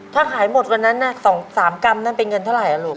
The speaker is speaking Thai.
ถ้าขายหมดวันนั้น๒๓กรัมนั่นเป็นเงินเท่าไหร่ลูก